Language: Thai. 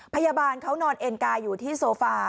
พยาบาลเขานอนเอ็นกายอยู่ที่โซฟา